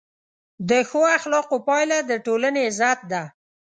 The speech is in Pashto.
د ښو اخلاقو پایله د ټولنې عزت ده.